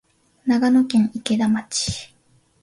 長野県池田町